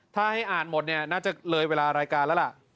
ถ้าให้อ่านหมดเนี่ยน่าจะเลยเวลารายการแล้วล่ะ